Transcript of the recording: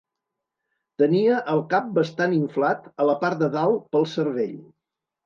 Tenia el cap bastant inflat a la part de dalt pel cervell.